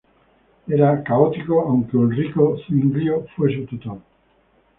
Era católico, aunque Ulrico Zuinglio fue su tutor.